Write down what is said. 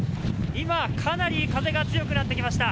今、かなり風が強くなってきました。